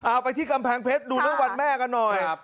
เอาไปที่กำแพงเพชรดูเรื่องวันแม่กันหน่อย